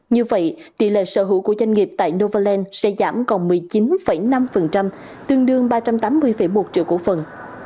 như vậy tỷ lệ sở hữu của doanh nghiệp tại novaland sẽ giảm còn một mươi chín năm tương đương ba trăm tám mươi một triệu cổ phần